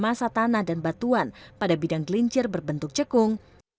masa tanah dan batuan pada bidang gelincir berbentuk cekung